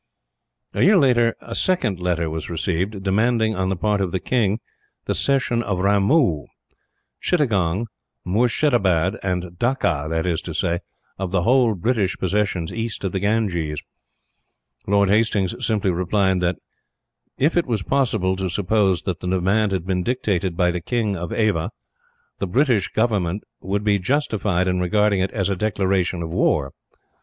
"A year later a second letter was received, demanding on the part of the king the cession of Ramoo, Chittagong, Moorshedabad, and Dacca; that is to say, of the whole British possessions east of the Ganges. Lord Hastings simply replied that if it was possible to suppose that the demand had been dictated by the King of Ava, the British government would be justified in regarding it as a declaration of war.